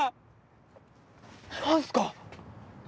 何すか？